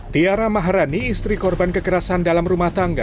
tiara maharani istri korban kekerasan dalam rumah tangga